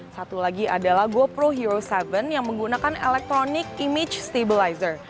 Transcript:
satu lagi adalah gopro hero tujuh yang menggunakan elektronik image stabilizer